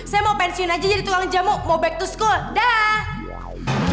saya mau pensiun aja jadi tukang jamu mau back to school dah